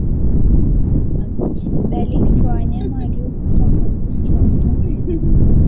Dalili kwa wanyama waliokufa kwa ugonjwa wa pumu